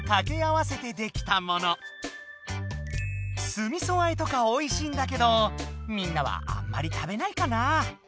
すみそあえとかおいしいんだけどみんなはあんまり食べないかな？